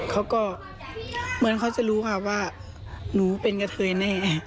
เขาก็เหมือนเขาจะรู้ค่ะว่าหนูเป็นกะเทยแน่